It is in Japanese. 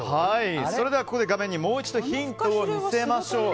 それではここで画面にもう一度ヒントを見せましょう。